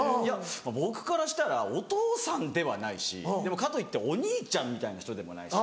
僕からしたらお父さんではないしでもかといってお兄ちゃんみたいな人でもないし。